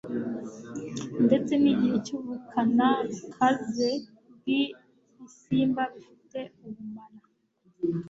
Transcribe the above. ndetse n'igihe cy'ubukana bukaze bw'ibisimba bifite ubumara